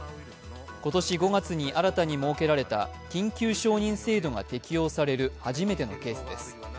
今年５月に新たに設けられた緊急承認制度が適用される初めてのケースです。